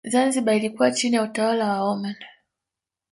Zanzibar ilikuwa chini ya utawala wa Oman